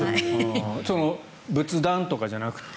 仏壇とかじゃなくて。